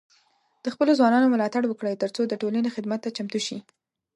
د خپلو ځوانانو ملاتړ وکړئ، ترڅو د ټولنې خدمت ته چمتو شي.